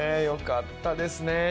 よかったですね。